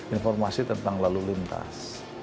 informasi tentang lalu lintas